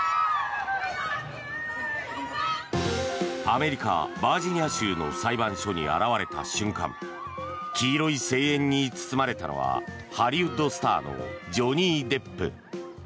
アメリカ・バージニア州の裁判所に現れた瞬間黄色い声援に包まれたのはハリウッドスターのジョニー・デップ。